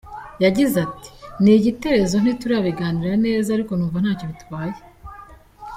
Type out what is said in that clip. Yagize ati “Ni igiterezo ntiturabiganira neza ariko numva ntacyo bitwaye.